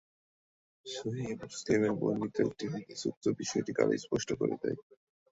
সহীহ মুসলিমে বর্ণিত একটি হাদীস উক্ত বিষয়টিকে আরও সুস্পষ্ট করে দেয়।